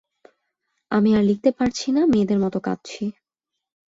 আমি আর লিখতে পারছি না, মেয়েদের মত কাঁদছি।